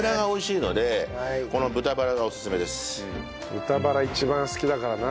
豚バラ一番好きだからな。